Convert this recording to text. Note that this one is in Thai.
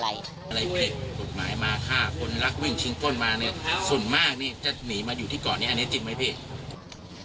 อะไรผิดกฎหมายมาฆ่าคนรักวิ่งชิงต้นมาเนี่ยส่วนมากนี่จะหนีมาอยู่ที่เกาะนี้อันนี้จริงไหมพี่